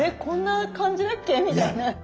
こんな感じだっけみたいな。